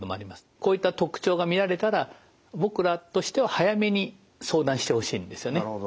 こういった特徴が見られたら僕らとしては早めに相談してほしいんですよね。